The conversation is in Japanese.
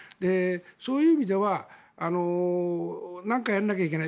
そういう意味ではなんかやらなきゃいけない。